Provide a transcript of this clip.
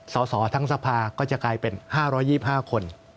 สสทั้งสภาก็จะกลายเป็น๕๒๕คน